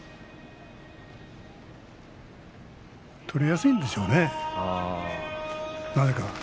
取りやすいんでしょうね、なぜか。